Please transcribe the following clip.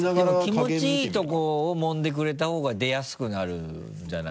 でも気持ちいいところをもんでくれた方が出やすくなるんじゃない？